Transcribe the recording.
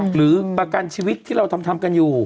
หรือประกันชีวิตที่เราทำกันอยู่